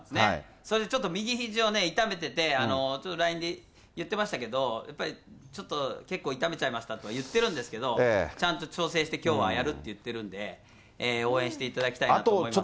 それでちょっと右ひじを痛めてて、ちょっとＬＩＮＥで言ってましたけど、やっぱりちょっと、結構痛めちゃいましたと言ってるんですけど、ちゃんと調整して、きょうはやるって言ってるんで、応援していただきたいなと思います。